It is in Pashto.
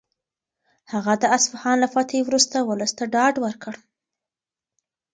هغه د اصفهان له فتحې وروسته ولس ته ډاډ ورکړ.